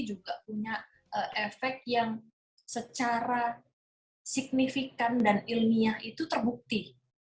juga punya efek yang secara signifikan dan ilmiah itu terbukti